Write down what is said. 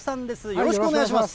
よろしくお願いします。